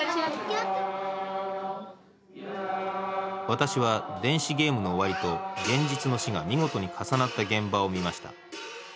私は電子ゲームの終わりと現実の死が見事に重なった現場を見ました。